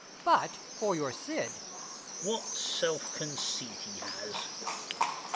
But for your "Cid." VILLAC. What self conceit he has!